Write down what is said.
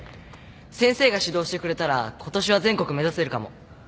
先生が指導してくれたらことしは全国目指せるかも。